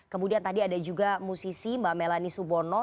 kemudian tadi ada juga musisi mbak melanie subono